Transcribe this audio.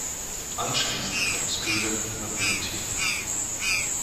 Anschließend kam Schkölen an die Wettiner.